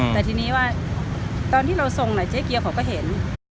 แต่ทีนี้ว่าตอนที่เราทรงเจ๊เกียวเขาก็เห็น